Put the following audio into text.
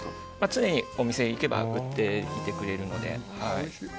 常にお店に行けば売っていますので。